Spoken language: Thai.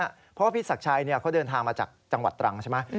เพราะว่าพี่ศักดิ์ชัยเขาเดินทางมาจากจังหวัดตรังใช่ไหม